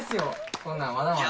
こんなんまだまだ。